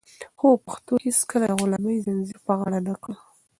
خو پښتنو هيڅکله د غلامۍ زنځير په غاړه نه کړ.